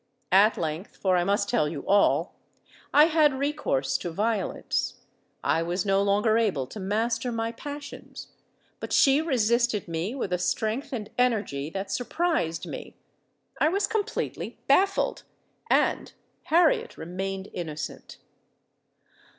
At length—for I must tell you all—I had recourse to violence: I was no longer able to master my passions. But she resisted me with a strength and energy that surprised me. I was completely baffled—and Harriet remained innocent!"